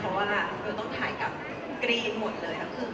เพราะท่านี่จริงแสดง